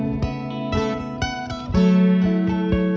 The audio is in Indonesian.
contohnya adalah pesachan jepang